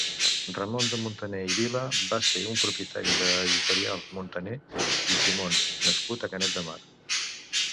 Ramon de Montaner i Vila va ser un propietari de l'Editorial Montaner i Simón nascut a Canet de Mar.